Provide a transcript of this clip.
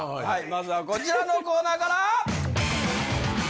まずはこちらのコーナーから！